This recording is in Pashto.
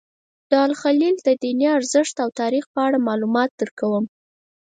د الخلیل د دیني ارزښت او تاریخ په اړه معلومات درکوم.